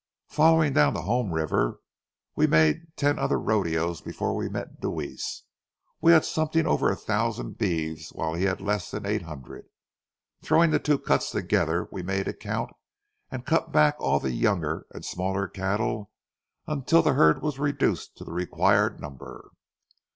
Following down the home river, we made ten other rodeos before we met Deweese. We had something over a thousand beeves while he had less than eight hundred. Throwing the two cuts together, we made a count, and cut back all the younger and smaller cattle until the herd was reduced to the required number.